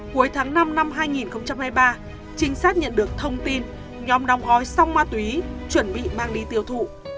cuối tháng năm năm hai nghìn hai mươi ba trinh sát nhận được thông tin nhóm đóng gói xong ma túy chuẩn bị mang đi tiêu thụ